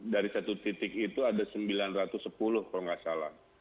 dari satu titik itu ada sembilan ratus sepuluh kalau nggak salah